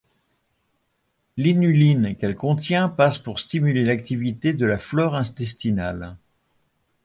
L'inuline qu'elle contient passe pour stimuler l'activité de la flore intestinale.